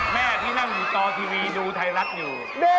แม่พี่นั่งอยู่ต่อทีวีดูไทรักษณ์อยู่